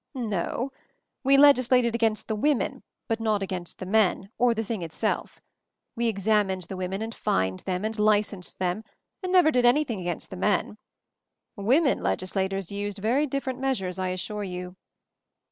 "No; we legislated against the women, ; but not against the men, or the thing itself. We examined the women, and fined them, and licensed them — and never did anything against the men. Women legislators used yery different measures, I assure you."